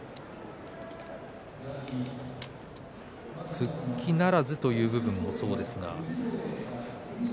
復帰ならずという部分もそうですが。